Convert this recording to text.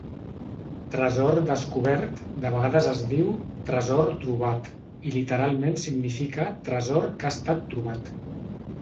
"Tresor descobert" de vegades es diu "tresor trobat" i literalment significa "tresor que ha estat trobat".